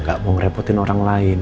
gak mau ngerepotin orang lain